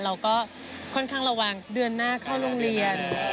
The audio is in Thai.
เราก็ค่อนข้างระวังเดือนหน้าเข้าโรงเรียน